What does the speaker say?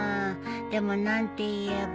でも何て言えば